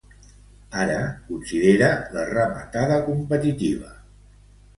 Ara, considere la rematada competitiva.